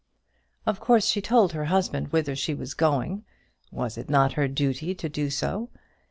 Of course she told her husband whither she was going was it not her duty so to do?